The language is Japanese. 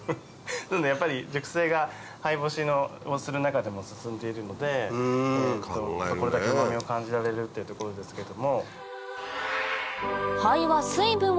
やっぱり熟成が灰干しをする中でも進んでいるのでこれだけうま味を感じられるっていうところですけども。